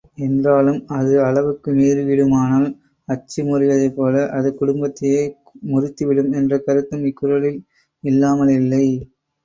என்றாலும், அது அளவுக்கு மீறிவிடுமானால், அச்சு முறிவதைப்போல, அது குடும்பத்தையே முறித்துவிடும் என்ற கருத்தும் இக் குறளில் இல்லாமலில்லை.